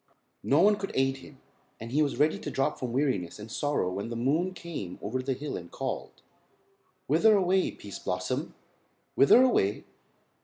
No one could aid him, and he was ready to drop from weariness and sorrow when the moon came over the hill and called: "Whither away, Pease Blossom? Whither away?"